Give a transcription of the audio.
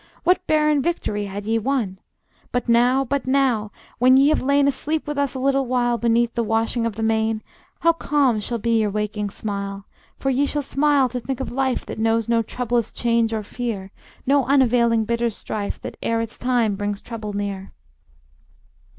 What barren victory had ye won! But now, but now, when ye have lain Asleep with us a little while Beneath the washing of the main, How calm shall be your waking smile! For ye shall smile to think of life That knows no troublous change or fear, No unavailing bitter strife, That ere its time brings trouble near.